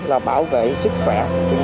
là bảo vệ sức khỏe